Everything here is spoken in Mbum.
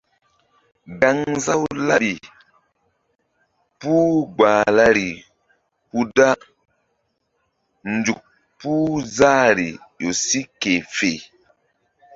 Gaŋnzaw laɓi puh Gahlari hu da nzuk puh zahri ƴo si ke fe.